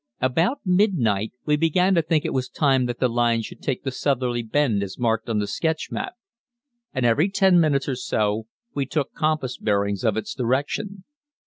About midnight we began to think it was time that the line should take the southerly bend as marked on the sketch map, and every ten minutes or so we took compass bearings of its direction.